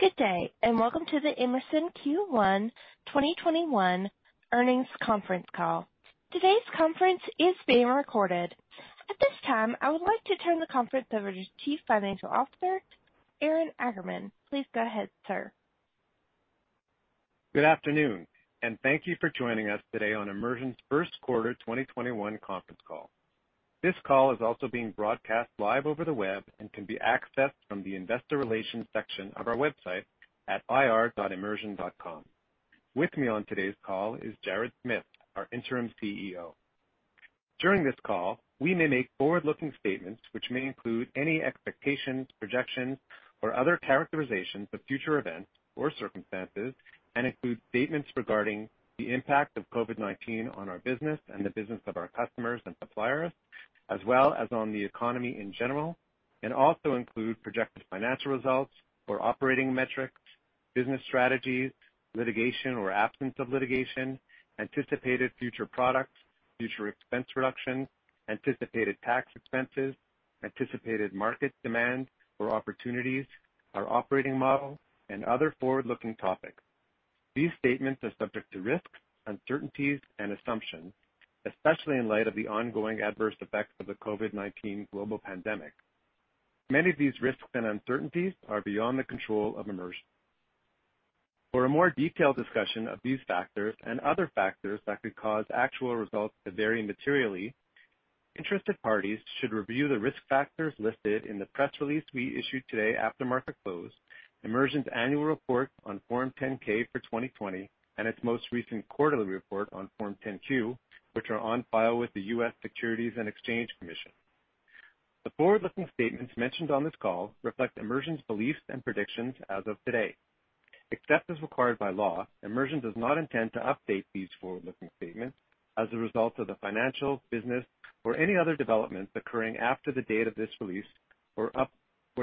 Good day, welcome to the Immersion Q1 2021 earnings conference call. Today's conference is being recorded. At this time, I would like to turn the conference over to Chief Financial Officer, Aaron Akerman. Please go ahead, sir. Good afternoon. Thank you for joining us today on Immersion's first quarter 2021 conference call. This call is also being broadcast live over the web and can be accessed from the investor relations section of our website at ir.immersion.com. With me on today's call is Jared Smith, our Interim CEO. During this call, we may make forward-looking statements, which may include any expectations, projections, or other characterizations of future events or circumstances, and include statements regarding the impact of COVID-19 on our business and the business of our customers and suppliers, as well as on the economy in general, and also include projected financial results or operating metrics, business strategies, litigation or absence of litigation, anticipated future products, future expense reductions, anticipated tax expenses, anticipated market demand or opportunities, our operating model, and other forward-looking topics. These statements are subject to risks, uncertainties, and assumptions, especially in light of the ongoing adverse effects of the COVID-19 global pandemic. Many of these risks and uncertainties are beyond the control of Immersion. For a more detailed discussion of these factors and other factors that could cause actual results to vary materially, interested parties should review the risk factors listed in the press release we issued today after market close, Immersion's annual report on Form 10-K for 2020, and its most recent quarterly report on Form 10-Q, which are on file with the U.S. Securities and Exchange Commission. The forward-looking statements mentioned on this call reflect Immersion's beliefs and predictions as of today. Except as required by law, Immersion does not intend to update these forward-looking statements as a result of the financial, business, or any other developments occurring after the date of this release, or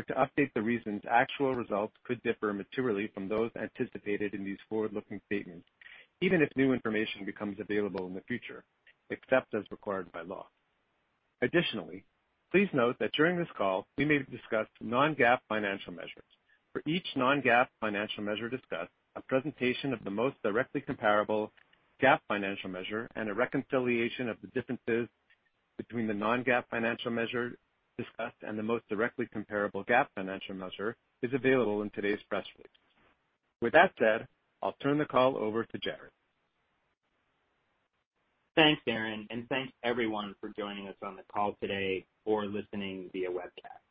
to update the reasons actual results could differ materially from those anticipated in these forward-looking statements, even if new information becomes available in the future, except as required by law. Additionally, please note that during this call, we may discuss non-GAAP financial measures. For each non-GAAP financial measure discussed, a presentation of the most directly comparable GAAP financial measure and a reconciliation of the differences between the non-GAAP financial measure discussed and the most directly comparable GAAP financial measure is available in today's press release. With that said, I'll turn the call over to Jared. Thanks, Aaron, thanks, everyone, for joining us on the call today or listening via webcast.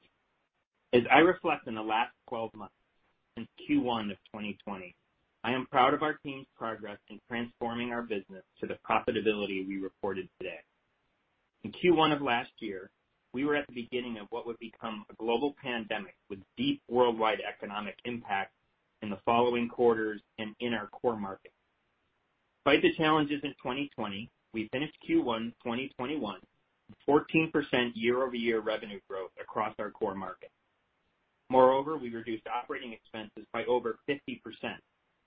As I reflect on the last 12 months since Q1 2020, I am proud of our team's progress in transforming our business to the profitability we reported today. In Q1 of last year, we were at the beginning of what would become a global pandemic with deep worldwide economic impact in the following quarters and in our core markets. Despite the challenges in 2020, we finished Q1 2021 with 14% year-over-year revenue growth across our core markets. Moreover, we reduced operating expenses by over 50%,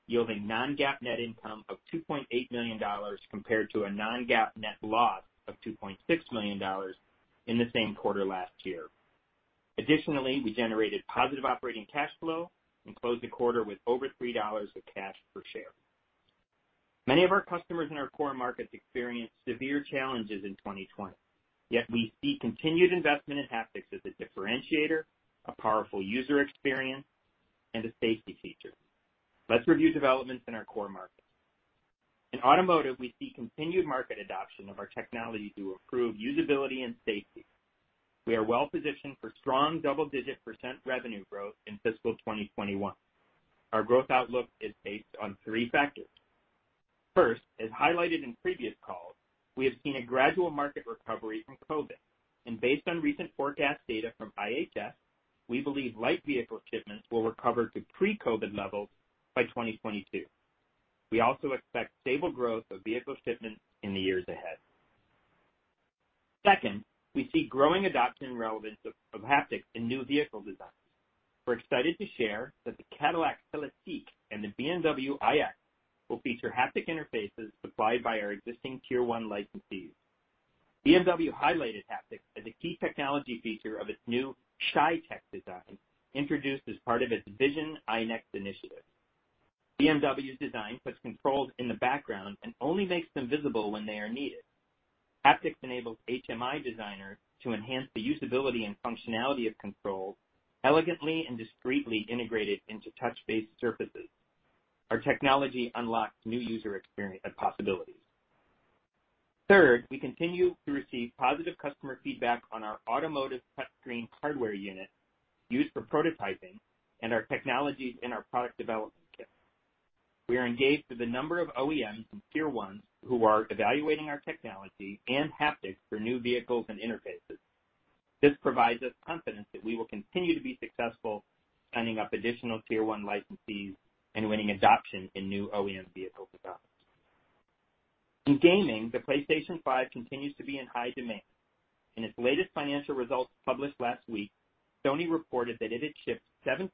yielding non-GAAP net income of $2.8 million compared to a non-GAAP net loss of $2.6 million in the same quarter last year. Additionally, we generated positive operating cash flow and closed the quarter with over $3 of cash per share. Many of our customers in our core markets experienced severe challenges in 2020. We see continued investment in haptics as a differentiator, a powerful user experience, and a safety feature. Let's review developments in our core markets. In automotive, we see continued market adoption of our technology to improve usability and safety. We are well-positioned for strong double-digit percent revenue growth in fiscal 2021. Our growth outlook is based on three factors. First, as highlighted in previous calls, we have seen a gradual market recovery from COVID, and based on recent forecast data from IHS, we believe light vehicle shipments will recover to pre-COVID levels by 2022. We also expect stable growth of vehicle shipments in the years ahead. Second, we see growing adoption relevance of haptics in new vehicle designs. We're excited to share that the Cadillac CELESTIQ and the BMW iX will feature haptic interfaces supplied by our existing Tier 1 licensees. BMW highlighted haptics as a key technology feature of its new Shy Tech design, introduced as part of its Vision iNEXT initiative. BMW's design puts controls in the background and only makes them visible when they are needed. Haptics enables HMI designers to enhance the usability and functionality of controls elegantly and discreetly integrated into touch-based surfaces. Our technology unlocks new user experience possibilities. Third, we continue to receive positive customer feedback on our automotive touchscreen hardware unit used for prototyping and our technologies in our product development kit. We are engaged with a number of OEMs and Tier 1s who are evaluating our technology and haptics for new vehicles and interfaces. This provides us confidence that we will continue to be successful signing up additional Tier 1 licensees and winning adoption in new OEM vehicle developments. In gaming, the PlayStation 5 continues to be in high demand. In its latest financial results published last week, Sony reported that it had shipped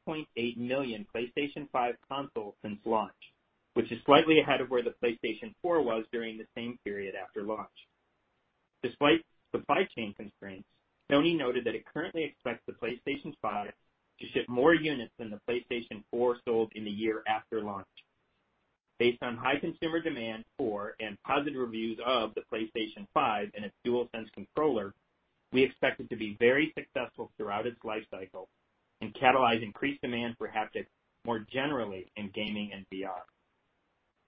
7.8 million PlayStation 5 consoles since launch, which is slightly ahead of where the PlayStation 4 was during the same period after launch. Despite supply chain constraints, Sony noted that it currently expects the PlayStation 5 to ship more units than the PlayStation 4 sold in the year after launch. Based on high consumer demand for and positive reviews of the PlayStation 5 and its DualSense controller, we expect it to be very successful throughout its life cycle and catalyze increased demand for haptics more generally in gaming and VR.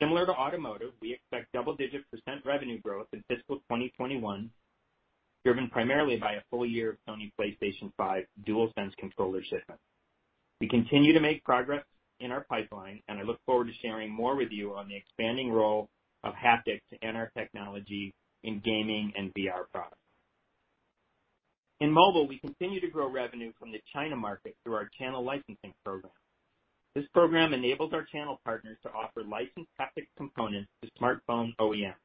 Similar to automotive, we expect double-digit percent revenue growth in fiscal 2021, driven primarily by a full year of Sony PlayStation 5 DualSense controller shipments. We continue to make progress in our pipeline, and I look forward to sharing more with you on the expanding role of haptics and our technology in gaming and VR products. In mobile, we continue to grow revenue from the China market through our channel licensing program. This program enables our channel partners to offer licensed haptic components to smartphone OEMs.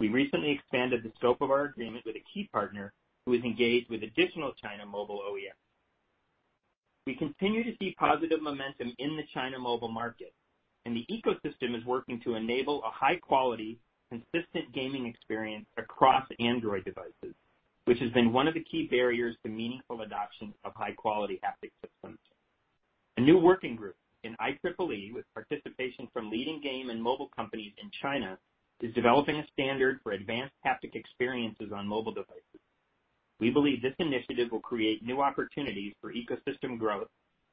We recently expanded the scope of our agreement with a key partner who is engaged with additional China mobile OEMs. We continue to see positive momentum in the China mobile market, and the ecosystem is working to enable a high-quality, consistent gaming experience across Android devices, which has been one of the key barriers to meaningful adoption of high-quality haptic systems. A new working group in IEEE with participation from leading game and mobile companies in China, is developing a standard for advanced haptic experiences on mobile devices. We believe this initiative will create new opportunities for ecosystem growth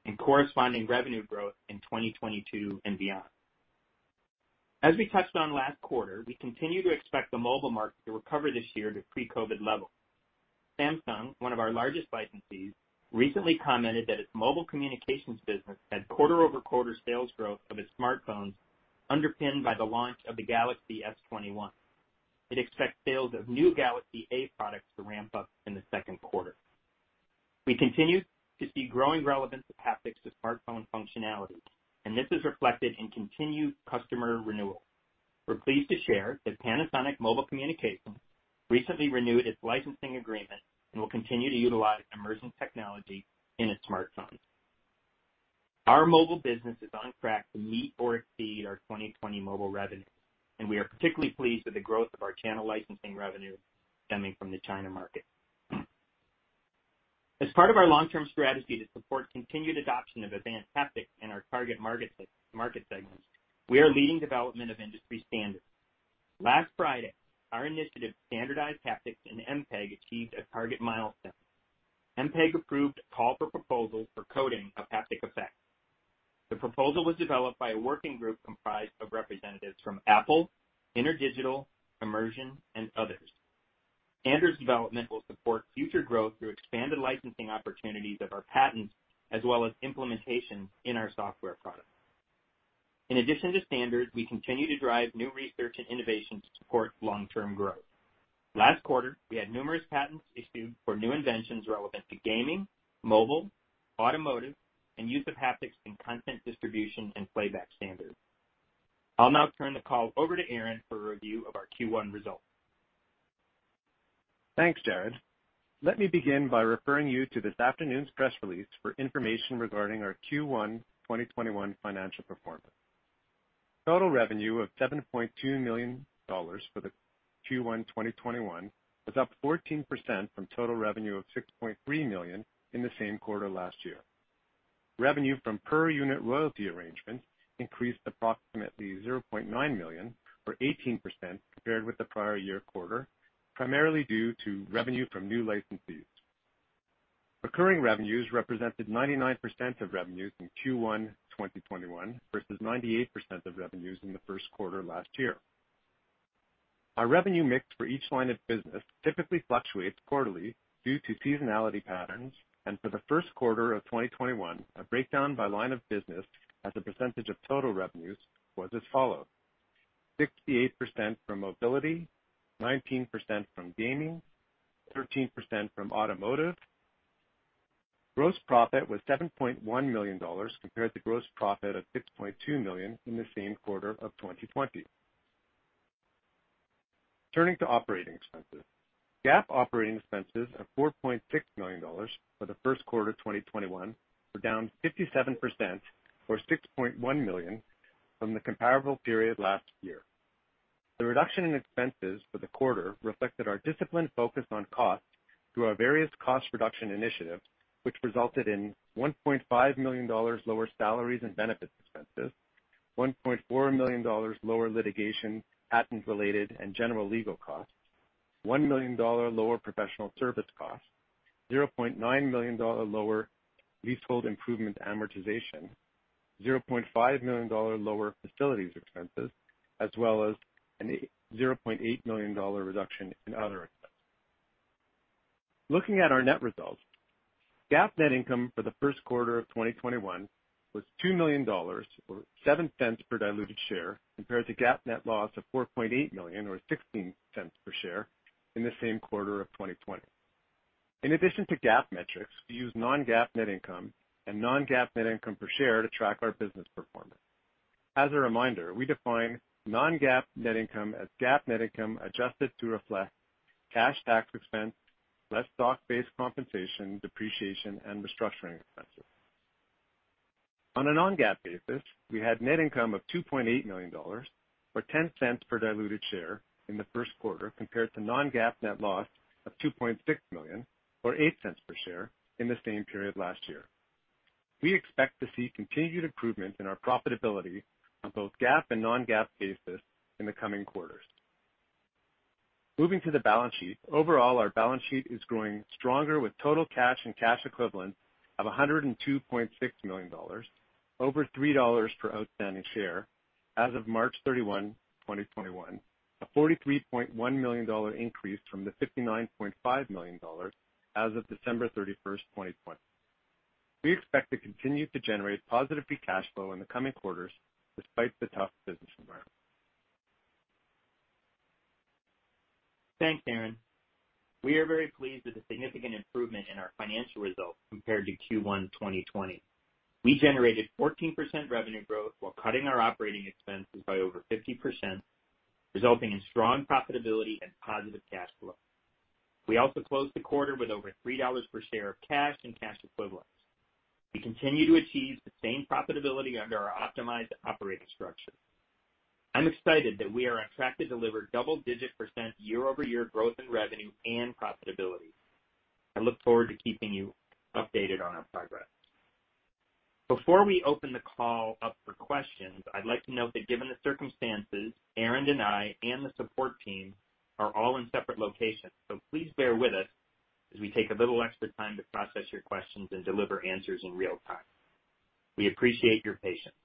and corresponding revenue growth in 2022 and beyond. As we touched on last quarter, we continue to expect the mobile market to recover this year to pre-COVID levels. Samsung, one of our largest licensees, recently commented that its mobile communications business had quarter-over-quarter sales growth of its smartphones underpinned by the launch of the Galaxy S21. It expects sales of new Galaxy A products to ramp up in the second quarter. We continue to see growing relevance of haptics to smartphone functionality, and this is reflected in continued customer renewal. We're pleased to share that Panasonic Mobile Communications recently renewed its licensing agreement and will continue to utilize Immersion technology in its smartphones. Our mobile business is on track to meet or exceed our 2020 mobile revenue, and we are particularly pleased with the growth of our channel licensing revenue stemming from the China market. As part of our long-term strategy to support continued adoption of advanced haptics in our target market segments, we are leading development of industry standards. Last Friday, our initiative to standardize haptics in MPEG achieved a target milestone. MPEG approved a call for proposals for coding of haptic effects. The proposal was developed by a working group comprised of representatives from Apple, InterDigital, Immersion, and others. Standards development will support future growth through expanded licensing opportunities of our patents as well as implementation in our software products. In addition to standards, we continue to drive new research and innovation to support long-term growth. Last quarter, we had numerous patents issued for new inventions relevant to gaming, mobile, automotive, and use of haptics in content distribution and playback standards. I'll now turn the call over to Aaron for a review of our Q1 results. Thanks, Jared. Let me begin by referring you to this afternoon's press release for information regarding our Q1 2021 financial performance. Total revenue of $7.2 million for the Q1 2021 was up 14% from total revenue of $6.3 million in the same quarter last year. Revenue from per-unit royalty arrangements increased approximately $0.9 million, or 18%, compared with the prior year quarter, primarily due to revenue from new licensees. Recurring revenues represented 99% of revenues in Q1 2021 versus 98% of revenues in the first quarter last year. Our revenue mix for each line of business typically fluctuates quarterly due to seasonality patterns, and for the first quarter of 2021, a breakdown by line of business as a percentage of total revenues was as follows: 68% from mobility, 19% from gaming, 13% from automotive. Gross profit was $7.1 million compared to gross profit of $6.2 million in the same quarter of 2020. Turning to operating expenses. GAAP operating expenses of $4.6 million for Q1 2021 were down 57%, or $6.1 million, from the comparable period last year. The reduction in expenses for the quarter reflected our disciplined focus on costs through our various cost reduction initiatives, which resulted in $1.5 million lower salaries and benefits expenses, $1.4 million lower litigation, patent-related, and general legal costs, $1 million lower professional service costs, $0.9 million lower leasehold improvement amortization, $0.5 million lower facilities expenses, as well as a $0.8 million reduction in other expenses. Looking at our net results, GAAP net income for the first quarter of 2021 was $2 million, or $0.07 per diluted share, compared to GAAP net loss of $4.8 million, or $0.16 per share, in the same quarter of 2020. In addition to GAAP metrics, we use non-GAAP net income and non-GAAP net income per share to track our business performance. As a reminder, we define non-GAAP net income as GAAP net income adjusted to reflect cash tax expense, less stock-based compensation, depreciation, and restructuring expenses. On a non-GAAP basis, we had net income of $2.8 million, or $0.10 per diluted share in the first quarter, compared to non-GAAP net loss of $2.6 million, or $0.08 per share in the same period last year. We expect to see continued improvement in our profitability on both GAAP and non-GAAP basis in the coming quarters. Moving to the balance sheet. Overall, our balance sheet is growing stronger with total cash and cash equivalents of $102.6 million, over $3 per outstanding share as of March 31, 2021. A $43.1 million increase from the $59.5 million as of December 31, 2020. We expect to continue to generate positive free cash flow in the coming quarters despite the tough business environment. Thanks, Aaron. We are very pleased with the significant improvement in our financial results compared to Q1 2020. We generated 14% revenue growth while cutting our operating expenses by over 50%, resulting in strong profitability and positive cash flow. We also closed the quarter with over $3 per share of cash and cash equivalents. We continue to achieve the same profitability under our optimized operating structure. I'm excited that we are on track to deliver double-digit percent year-over-year growth in revenue and profitability. I look forward to keeping you updated on our progress. Before we open the call up for questions, I'd like to note that given the circumstances, Aaron and I, and the support team are all in separate locations. Please bear with us as we take a little extra time to process your questions and deliver answers in real time. We appreciate your patience.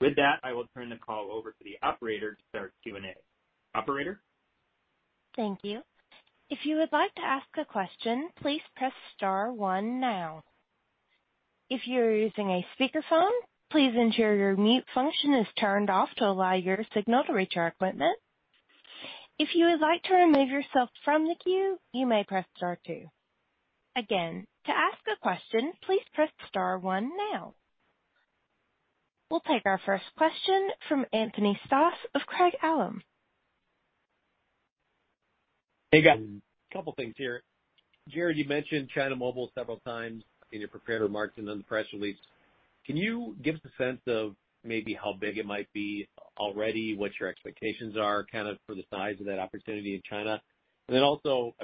With that, I will turn the call over to the operator to start Q&A. Operator? Thank you. If you would like to ask a question, please press star one now. If you are using a speakerphone, please ensure your mute function is turned off to allow your signal to reach our equipment. If you would like to remove yourself from the queue, you may press star two. Again, to ask a question, please press star one now. We'll take our first question from Anthony Stoss of Craig-Hallum. Hey, guys. Couple things here. Jared, you mentioned China Mobile several times in your prepared remarks and in the press release. Can you give us a sense of maybe how big it might be already, what your expectations are kind of for the size of that opportunity in China? I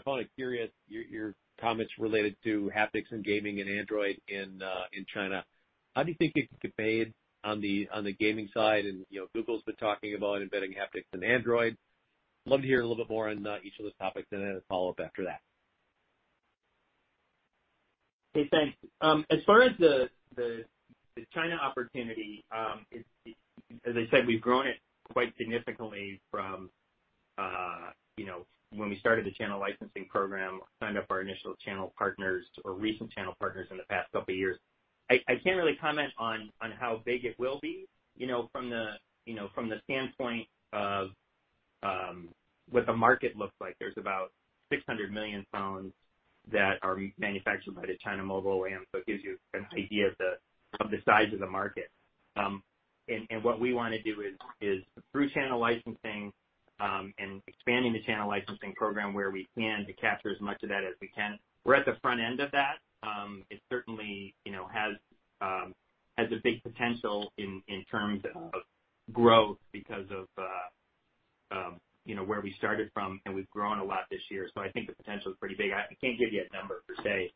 found it curious your comments related to haptics and gaming and Android in China. How do you think it could compare on the gaming side and Google's been talking about embedding haptics in Android? Love to hear a little bit more on each of those topics and then a follow-up after that. Okay, thanks. As far as the China opportunity, as I said, we've grown it quite significantly from when we started the channel licensing program, signed up our initial channel partners or recent channel partners in the past couple years. I can't really comment on how big it will be. From the standpoint of what the market looks like, there's about 600 million phones that are manufactured by the China Mobile. It gives you an idea of the size of the market. What we want to do is through channel licensing, and expanding the channel licensing program where we can to capture as much of that as we can. We're at the front end of that. It certainly has a big potential in terms of growth because of where we started from and we've grown a lot this year. I think the potential is pretty big. I can't give you a number per se.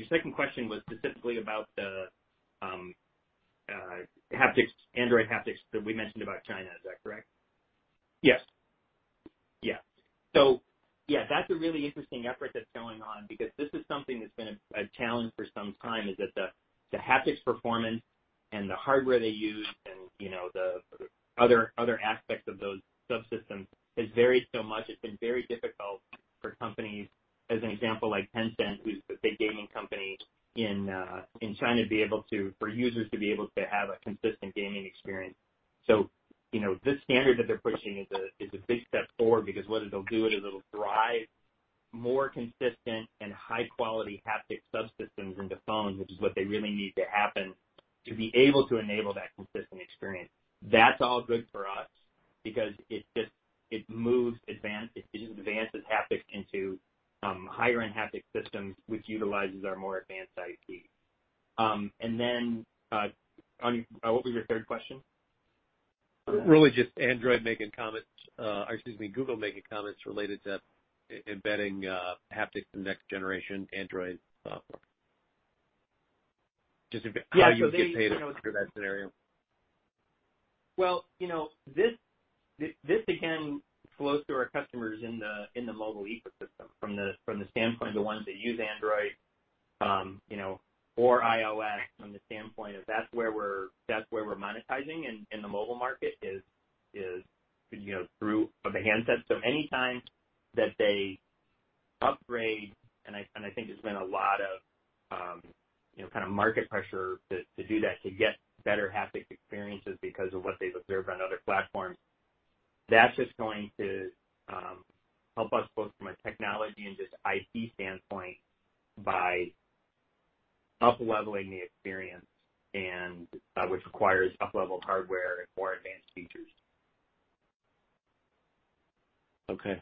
Your second question was specifically about the Android haptics that we mentioned about China. Is that correct? Yes. Yeah. That's a really interesting effort that's going on because this is something that's been a challenge for some time, is that the haptics performance and the hardware they use and the other aspects of those subsystems has varied so much. It's been very difficult for companies, as an example, like Tencent, who's a big gaming company in China, for users to be able to have a consistent gaming experience. This standard that they're pushing is a big step forward because what it'll do is it'll drive more consistent and high-quality haptic subsystems into phones, which is what they really need to happen to be able to enable that consistent experience. That's all good for us because it advances haptics into higher-end haptic systems, which utilizes our more advanced IP. What was your third question? Really just Google making comments related to embedding haptics in next generation Android software. How do they pay for that scenario? Well, this again flows through our customers in the mobile ecosystem from the standpoint of the ones that use Android or iOS from the standpoint of that's where we're monetizing in the mobile market is through the handsets. Anytime that they upgrade, and I think there's been a lot of kind of market pressure to do that, to get better haptic experiences because of what they've observed on other platforms. That's just going to help us both from a technology and just IP standpoint by up-leveling the experience, which requires up-leveled hardware and more advanced features. Okay.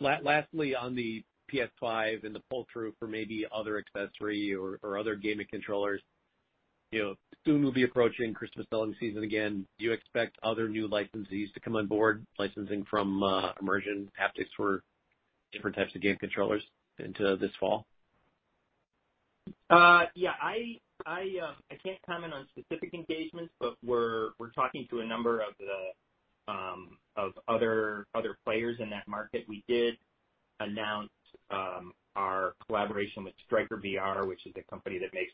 Lastly, on the PS5 and the pull-through for maybe other accessory or other gaming controllers. Soon will be approaching Christmas selling season again. Do you expect other new licensees to come on board licensing from Immersion haptics for different types of game controllers into this fall? Yeah. I can't comment on specific engagements, but we're talking to a number of other players in that market. We did announce our collaboration with StrikerVR, which is a company that makes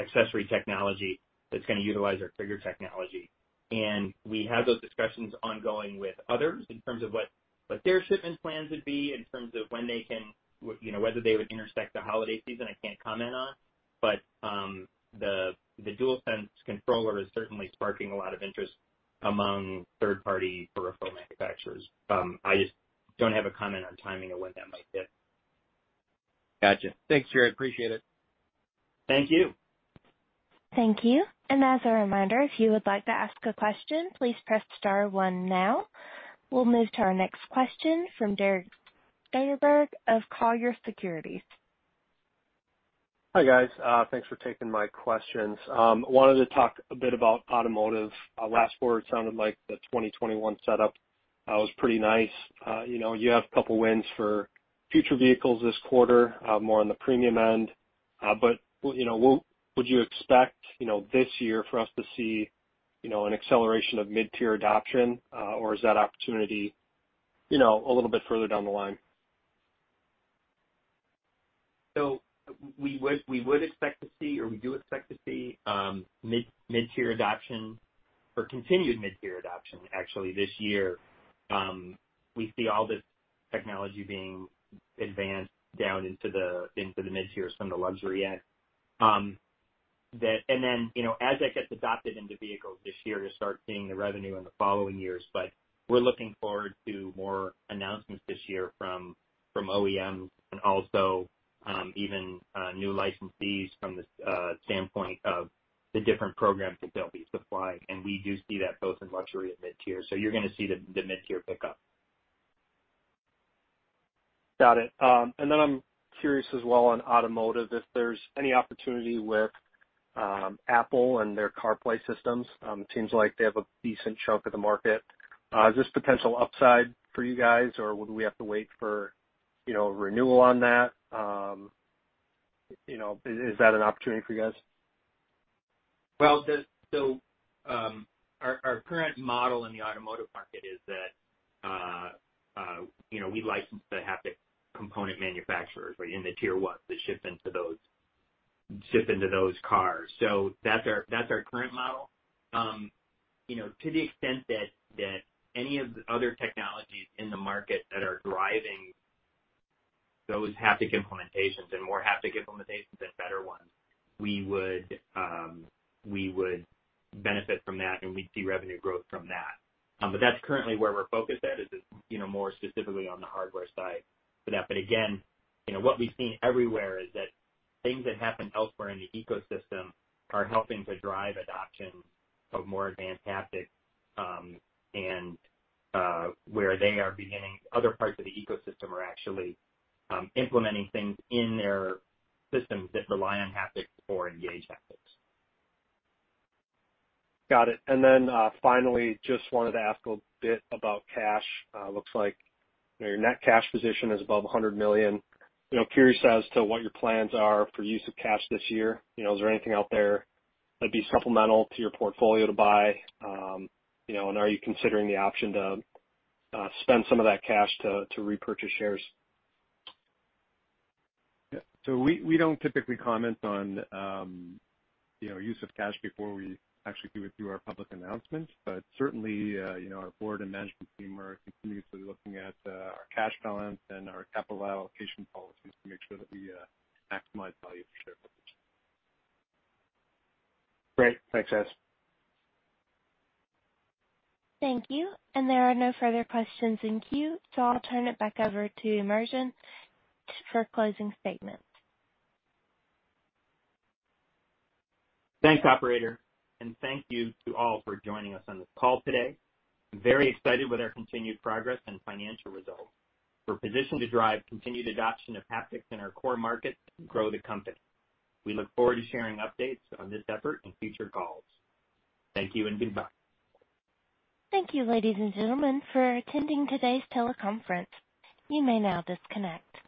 accessory technology that's going to utilize our trigger technology. We have those discussions ongoing with others in terms of what their shipment plans would be in terms of when they can. Whether they would intersect the holiday season, I can't comment on. The DualSense controller is certainly sparking a lot of interest among third-party peripheral manufacturers. I just don't have a comment on timing of when that might be. Got you. Thanks, Jared. I appreciate it. Thank you. Thank you. As a reminder, if you would like to ask a question, please press star one now. We'll move to our next question from Derek Soderberg of Colliers Securities. Hi, guys. Thanks for taking my questions. Wanted to talk a bit about automotive. Last quarter, it sounded like the 2021 setup was pretty nice. You have a couple wins for future vehicles this quarter, more on the premium end. Would you expect this year for us to see an acceleration of mid-tier adoption, or is that opportunity a little bit further down the line? We would expect to see, or we do expect to see mid-tier adoption or continued mid-tier adoption actually this year. We see all this technology being advanced down into the mid-tiers from the luxury end. As that gets adopted into vehicles this year, you'll start seeing the revenue in the following years. We're looking forward to more announcements this year from OEMs and also even new licensees from the standpoint of the different programs that they'll be supplying. We do see that both in luxury and mid-tier. You're going to see the mid-tier pick up. Got it. I'm curious as well on automotive, if there's any opportunity with Apple and their CarPlay systems. Seems like they have a decent chunk of the market. Is this potential upside for you guys, or would we have to wait for renewal on that? Is that an opportunity for you guys? Well, our current model in the automotive market is that we license the haptic component manufacturers in the Tier 1s that ship into those cars. That's our current model. To the extent that any of the other technologies in the market that are driving those haptic implementations and more haptic implementations and better ones, we would benefit from that, and we'd see revenue growth from that. That's currently where we're focused at, is more specifically on the hardware side for that. Again, what we've seen everywhere is that things that happen elsewhere in the ecosystem are helping to drive adoption of more advanced haptics, and where they are beginning, other parts of the ecosystem are actually implementing things in their systems that rely on haptics or engage haptics. Got it. Finally, just wanted to ask a little bit about cash. Looks like your net cash position is above $100 million. Curious as to what your plans are for use of cash this year. Is there anything out there that'd be supplemental to your portfolio to buy? Are you considering the option to spend some of that cash to repurchase shares? We don't typically comment on use of cash before we actually do it through our public announcements. Certainly, our board and management team are continuously looking at our cash balance and our capital allocation policies to make sure that we maximize value for shareholders. Great. Thanks, guys. Thank you. There are no further questions in queue, so I'll turn it back over to Immersion for closing statements. Thanks, operator. Thank you to all for joining us on this call today. I'm very excited with our continued progress and financial results. We're positioned to drive continued adoption of haptics in our core markets and grow the company. We look forward to sharing updates on this effort in future calls. Thank you and goodbye. Thank you, ladies and gentlemen, for attending today's teleconference. You may now disconnect.